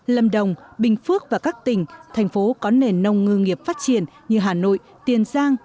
lâm đồng bình phước và các tỉnh thành phố có nền nông ngư nghiệp phát triển như hà nội tiền giang